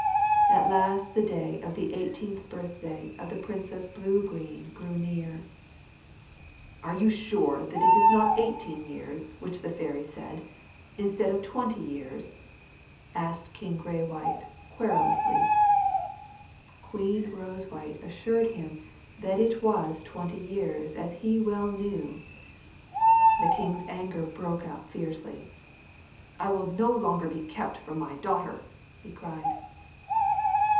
At last the day of the eighteenth birthday of the Princess Bluegreen grew near. "Are you sure that it is not eighteen years which the fairy said, instead of twenty years?" asked King Graywhite querulously. Queen Rosewhite assured him that it was twenty years as he well knew. The king's anger broke out fiercely. "I will no longer be kept from my daughter!" he cried.